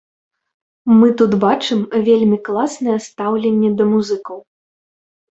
Мы тут бачым вельмі класнае стаўленне да музыкаў.